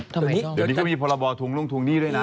เดี๋ยวนี้ก็มีประบอบทุงลงทุงหนี้ด้วยนะ